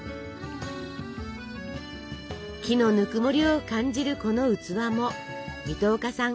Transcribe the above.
木のぬくもりを感じるこの器も水戸岡さん